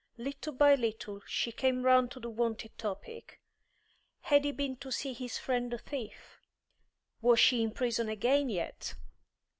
Little by little she came round to the wonted topic. Had he been to see his friend the thief? Was she in prison again yet?